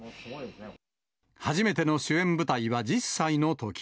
初めての主演舞台は１０歳のとき。